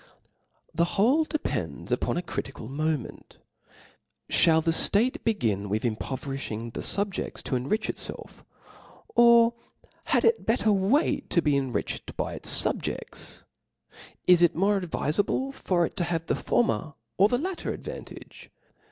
The whole depends upon a critical moment : (hall the ft^te begin with impoverifliing the fubjcfts to enrich itfelf ? Or had it better wait to be epriched by its fubje(5ts ? Is it more advifc s^ble for it to have the former, or the latter ad vantage